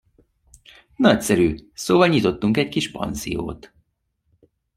Nagyszerű, szóval nyitottunk egy kis panziót!